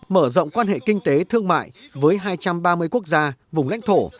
mở rộng quan hệ kinh tế thương mại với hai trăm ba mươi quốc gia vùng lãnh thổ